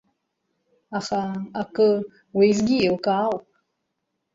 Аха акы уеизгьы еилкаауп…